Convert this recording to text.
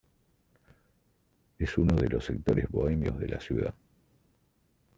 Es uno de los sectores bohemios de la ciudad.